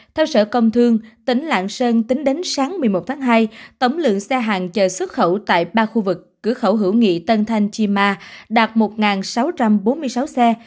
theo sở công thương tỉnh lạng sơn tính đến sáng một mươi một tháng hai tổng lượng xe hàng chờ xuất khẩu tại ba khu vực cửa khẩu hữu nghị tân thanh chi ma đạt một sáu trăm bốn mươi sáu xe